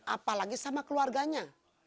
apalagi sama keluarganya